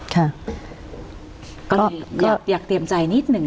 ก็คืออยากเตรียมใจนิดนึง